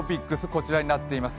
こちらになっています。